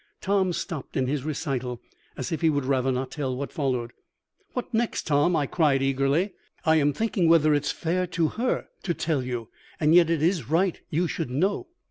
'" Tom stopped in his recital, as if he would rather not tell what followed. "What next, Tom?" I cried eagerly. "I am thinking whether it is fair to her to tell you, and yet it is right you should know."